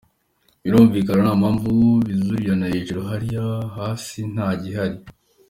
Birumvikana nta mpamvu buzurirana hejuru hariya hasi nta gihari.